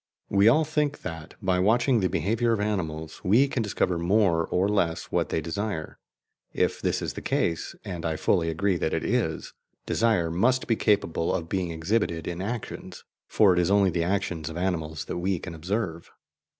We all think that, by watching the behaviour of animals, we can discover more or less what they desire. If this is the case and I fully agree that it is desire must be capable of being exhibited in actions, for it is only the actions of animals that we can observe.